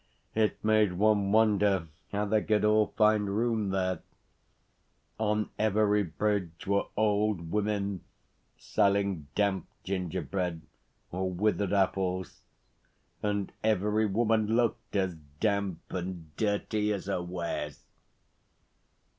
It made one wonder how they could all find room there. On every bridge were old women selling damp gingerbread or withered apples, and every woman looked as damp and dirty as her wares.